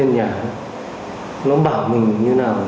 nó lên nhà nó bảo mình như nào